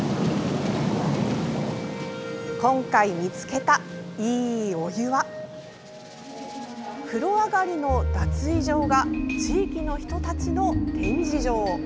今回見つけたいいお湯は風呂上がりの脱衣場が地域の人たちの展示場。